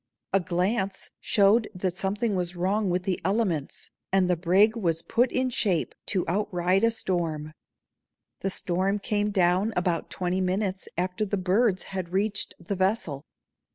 A glance showed that something was wrong with the elements and the brig was put in shape to out ride a storm. The storm came down about twenty minutes after the birds had reached the vessel.